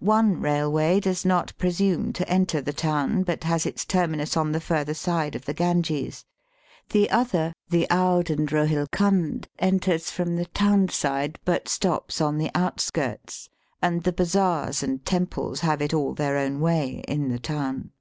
One railway does not presume to enter the town, but has its Digitized by VjOOQIC 204 EAST BY WEST. terminus on the further side of the Ganges. The other, the Oude and Eohilcund, enters from the town side, but stops on the outskirts, and the bazaars and temples have it all their own way in the town.